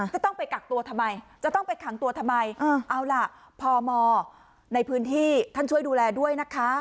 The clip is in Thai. จะต้องไปกักตัวทำไมจะต้องไปขังตัวทำไมเอาล่ะพมในพื้นที่ท่านช่วยดูแลด้วยนะคะ